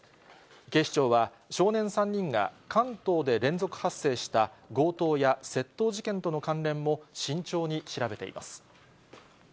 警視庁は、少年３人が関東で連続発生した強盗や窃盗事件との関連も慎重に調べています。